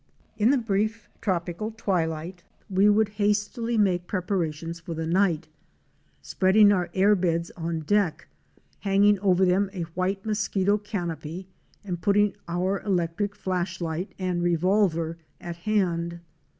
In the brief tropical twilight we would hastily make prep arations for the night, spreading our air beds on deck, hanging over them a white mosquito canopy and putting our electric flashlight and revolver at hand.